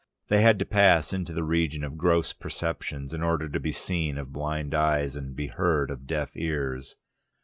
They had to pass into the region of gross perceptions, in order to be seen of blind eyes and be heard of deaf ears.